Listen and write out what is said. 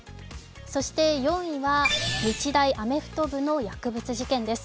そして４位は、日大アメフト部の薬物事件です。